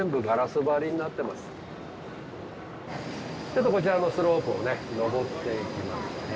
ちょっとこちらのスロープを上っていきますね。